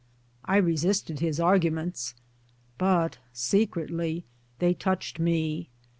I resisted his arguments, but secretly they touched me.